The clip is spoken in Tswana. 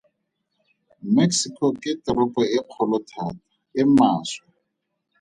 Mexico ke toropo e kgolo thata e maswe.